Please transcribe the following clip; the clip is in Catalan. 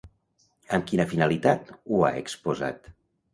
Amb quina finalitat ho ha exposat?